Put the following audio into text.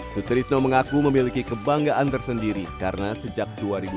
sutrisno mengaku memiliki kebanggaan tersendiri karena sejak dua ribu empat belas